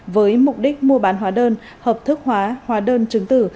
với mục đích mua bán hóa đơn hợp thức hóa hóa đơn chứng tử